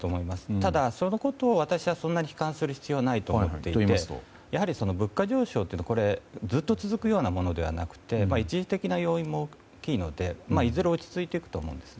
ただ、そのことを私はそんなに悲観する必要はないと思っていてやはり物価上昇ってずっと続くようなものではなくて一時的な要因も大きいのでいずれ落ち着いてくると思うんですね。